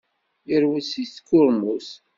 Yerwel seg tkurmut.